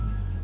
ya aku mau